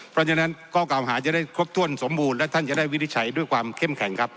เพราะฉะนั้นข้อกล่าวหาจะได้ครบถ้วนสมบูรณ์และท่านจะได้วินิจฉัยด้วยความเข้มแข็งครับ